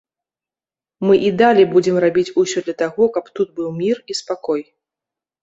Мы і далей будзем рабіць усё для таго, каб тут быў мір і спакой.